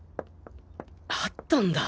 あったんだ。